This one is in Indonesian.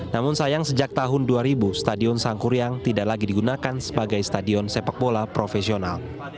namun sayang sejak tahun dua ribu stadion sangkuriang tidak lagi digunakan sebagai stadion sepak bola profesional